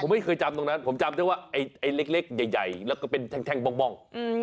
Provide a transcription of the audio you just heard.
ผมไม่เคยจำตรงนั้นผมจำแต่ว่าใหญ่เย้ยแล้วก็เป็นแท่งบ้อง